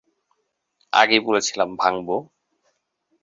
আগেই বলেছিলাম ভাঙবো।